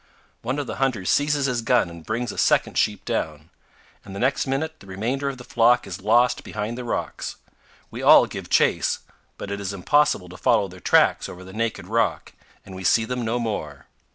One of the hunters seizes his gun and brings a second sheep down, and the next minute the remainder of the flock is lost behind the rocks. We all give chase; but it is impossible to follow their tracks over the naked rock, and we see them no more.